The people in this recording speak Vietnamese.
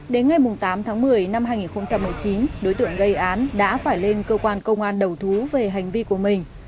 đến ngày tám tháng một mươi năm hai nghìn một mươi chín đối tượng gây án đã phải lên cơ quan công an đầu thú về hành vi của mình